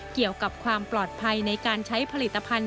เกี่ยวกับความปลอดภัยในการใช้ผลิตภัณฑ